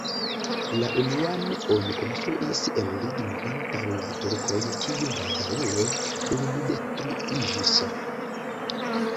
La unuan oni konstruis el ligno antaŭ la turkoj, kiu baldaŭe bruldetruiĝis.